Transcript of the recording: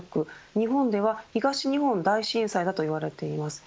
日本では東日本大震災だと言われています。